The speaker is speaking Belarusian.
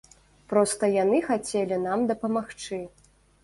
Проста яны хацелі нам дапамагчы.